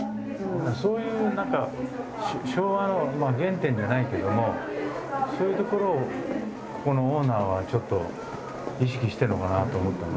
そういうなんか昭和の原点じゃないけどもそういうところをここのオーナーはちょっと意識してるのかなと思ったね。